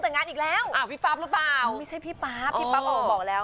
แต่งงานอีกแล้วอ่าพี่ปั๊บหรือเปล่าไม่ใช่พี่ปั๊บพี่ปั๊บออกมาบอกแล้ว